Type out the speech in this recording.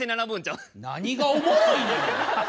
何がおもろいねん！